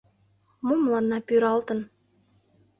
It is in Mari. Мо мыланна пӱралтын?